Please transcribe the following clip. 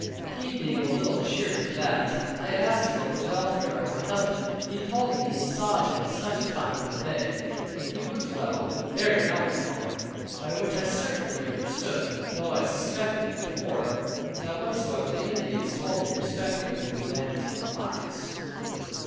He being a little cheered with that, I asked him about the welfare of my husband. He told me he saw him such a time in the Bay, and he was well, but very melancholy. By which I certainly understood (though I suspected it before) that whatsoever the Indians told me respecting him was vanity and lies.